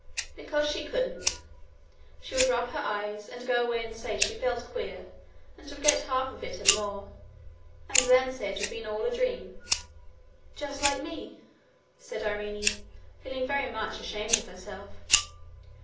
'Because she couldn't. She would rub her eyes, and go away and say she felt queer, and forget half of it and more, and then say it had been all a dream.' 'Just like me,' said Irene, feeling very much ashamed of herself.